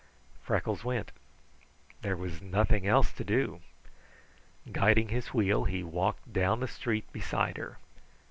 Freckles went. There was nothing else to do. Guiding his wheel, he walked down the street beside her.